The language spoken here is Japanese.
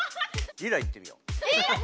リラいってみよう。